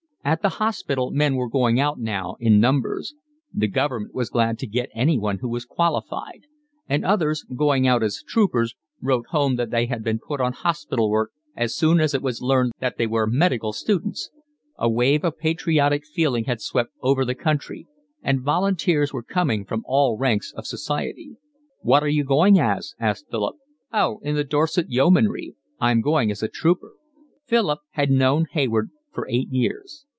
At the hospital men were going out now in numbers; the Government was glad to get anyone who was qualified; and others, going out as troopers, wrote home that they had been put on hospital work as soon as it was learned that they were medical students. A wave of patriotic feeling had swept over the country, and volunteers were coming from all ranks of society. "What are you going as?" asked Philip. "Oh, in the Dorset Yeomanry. I'm going as a trooper." Philip had known Hayward for eight years.